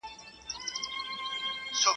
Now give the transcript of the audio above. o مار خوړلی، د رسۍ څخه بېرېږي.